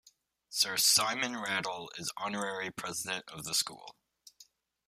Sir Simon Rattle is honorary president of the school.